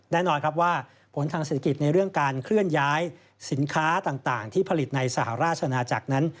แน่นอนครับว่าผลทางเศรษฐกิจในเรื่องการเคลื่อนย้ายสินค้าต่างที่ผลิตในสหราชนาจักรนั้น